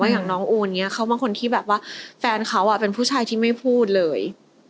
อย่างน้องอูนเขาเป็นคนที่แฟนเขาเป็นผู้ชายที่ไม่พูดเลย